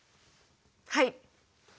はい！